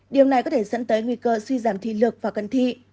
điều này có thể dẫn tới nguy cơ suy giảm thị lực và cận thị